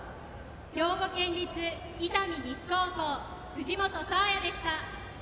兵庫県立伊丹西高校藤本紗也でした。